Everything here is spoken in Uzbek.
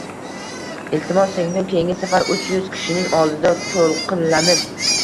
Iltimos, singlim, keyingi safar uch yuz kishining oldida to‘lqinlanib